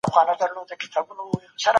علمي پړاو قوانين څرګند کړل.